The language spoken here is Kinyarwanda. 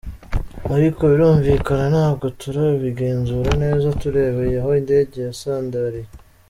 Ariko birumvikana, ntabwo turabigenzura neza turebeye aho indege yasandariye.